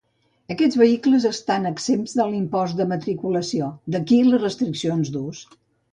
Aquests vehicles estan exempts de l'impost de matriculació, d'aquí les restriccions d'ús.